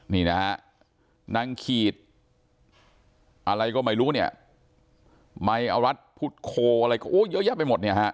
นี่นะฮะนางขีดอะไรก็ไม่รู้เนี่ยไมอรัฐพุทธโคอะไรก็โอ้เยอะแยะไปหมดเนี่ยฮะ